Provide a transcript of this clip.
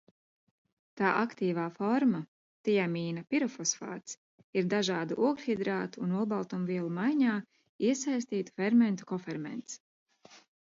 Tā aktīvā forma tiamīna pirofosfāts ir dažādu ogļhidrātu un olbaltumvielu maiņā iesaistītu fermentu koferments.